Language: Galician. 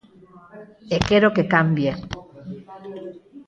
E quero que cambie.